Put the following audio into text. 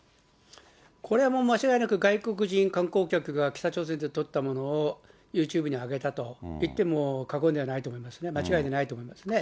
これもう間違いなく、外国人観光客が北朝鮮で撮ったものを、ユーチューブに上げたといっても過言ではないと思いますね、間違いないと思いますね。